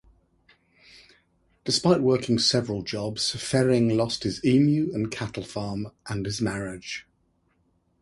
Despite working several jobs, Fehring lost his emu and cattle farm, and his marriage.